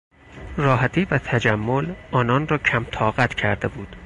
راحتی و تجمل آنان را کمطاقت کرده بود.